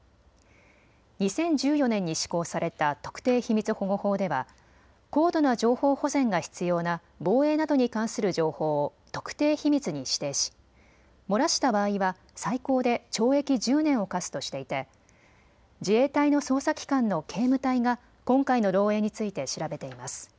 ２０１４年に施行された特定秘密保護法では高度な情報保全が必要な防衛などに関する情報を特定秘密に指定し漏らした場合は最高で懲役１０年を科すとしていて自衛隊の捜査機関の警務隊が今回の漏えいについて調べています。